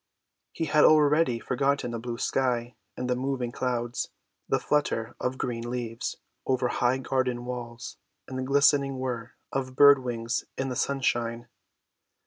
He had already forgotten the blue sky and the moving clouds, the flutter of green leaves over high garden walls and the glistening whir of bird‐wings in the sunshine.